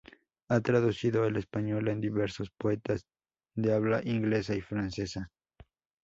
Ha traducido al español a diversos poetas de habla inglesa y francesa.